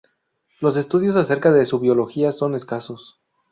Los estudios acerca de su biología son escasos.